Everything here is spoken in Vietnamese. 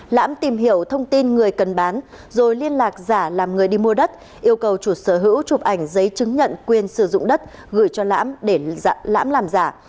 lãm tìm hiểu thông tin người cần bán rồi liên lạc giả làm người đi mua đất yêu cầu chủ sở hữu chụp ảnh giấy chứng nhận quyền sử dụng đất gửi cho lãm để lãm làm giả